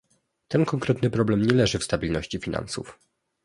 Ten konkretny problem nie leży w "stabilności" finansów